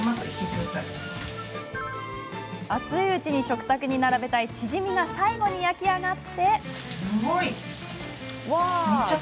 熱いうちに食卓に並べたいチヂミが最後に焼き上がり。